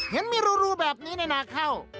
เห็นมีรูแบบนี้ในนาข้าว